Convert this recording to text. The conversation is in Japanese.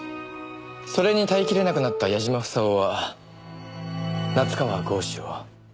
それに耐えきれなくなった矢嶋房夫は夏河郷士を。